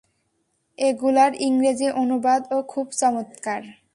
এগুলার ইংরেজি অনুবাদ ও খুব চমৎকার।